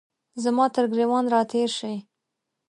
زما ترګریوان را تیر شي